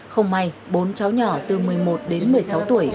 không may bốn cháu nhỏ từ một mươi một đến một mươi sáu tuổi